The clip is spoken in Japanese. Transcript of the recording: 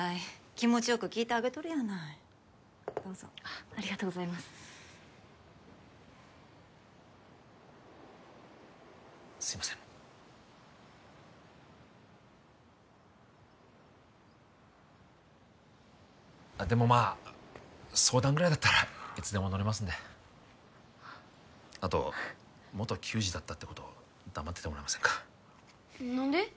気持ちよく聞いてあげとるやないどうぞあっありがとうございますすいませんあっでもまあ相談ぐらいだったらいつでも乗れますんであと元球児だったってこと黙っててもらえませんか何で？